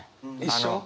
一緒？